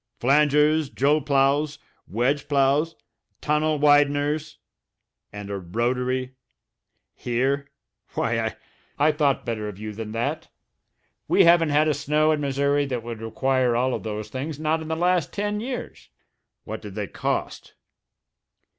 Flangers, jull ploughs, wedge ploughs tunnel wideners and a rotary? Here? Why I I thought better of you than that. We haven't had a snow in Missouri that would require all of those things, not in the last ten years. What did they cost?"